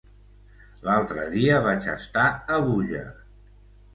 L'altre dia vaig estar a Búger.